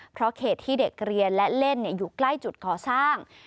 เพราะเขตที่เด็กเรียนและเล่นอยู่ใกล้จุดก่อสร้าง